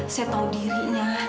saya tahu dirinya